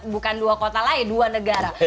bukan dua kota lain dua negara